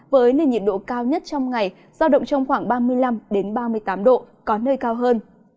với nền nhiệt độ cao nhất trong ngày giao động trong khoảng ba mươi năm ba mươi tám độ có nơi cao hơn